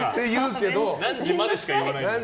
何時までしか言わない。